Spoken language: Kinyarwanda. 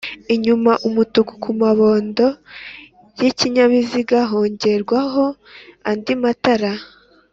inyuma Umutuku kumabondo y’ikinyabiziga hongerwaho andi matara